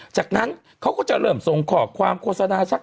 จากนั้นเขาก็จะเริ่มส่งข้อความโฆษณาชัก